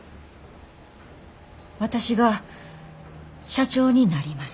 私が社長になります。